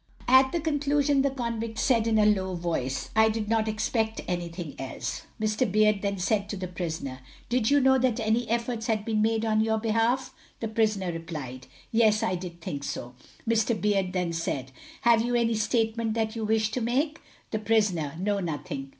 At the conclusion the convict said, in a low voice, "I did not expect anything else." Mr. Beard then said to the prisoner, "Did you know that any efforts had been made on your behalf?" The prisoner replied, "Yes, I did think so." Mr. Beard then said, "Have you any statement that you wish to make?" The prisoner, "No, nothing."